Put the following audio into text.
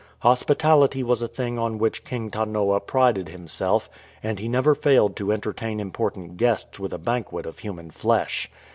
Hospitality was a thing on which King Tanoa prided himself, and he never failed to entertain important guests with a banquet of human flesh.